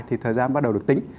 thì thời gian bắt đầu được tính